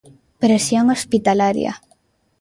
Presión hospitalaria.